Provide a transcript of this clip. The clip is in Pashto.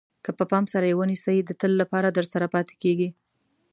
که په پام سره یې ونیسئ د تل لپاره درسره پاتې کېږي.